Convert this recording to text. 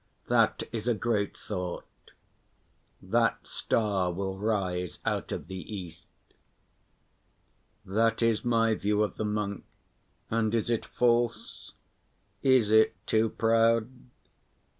That is a great thought. That star will rise out of the East. That is my view of the monk, and is it false? is it too proud?